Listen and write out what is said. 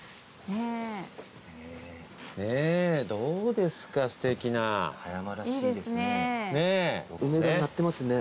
ねぇどうですかすてきな。葉山らしいですね。